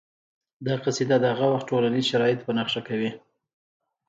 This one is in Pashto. دا قصیده د هغه وخت ټولنیز شرایط په نښه کوي